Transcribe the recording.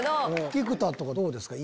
菊田んとこどうですか？